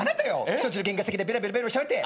人んちの玄関先でベラベラベラベラしゃべって。